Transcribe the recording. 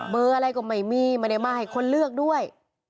เบอร์อะไรก็ไม่มีไม่ได้มาให้คนเลือกด้วย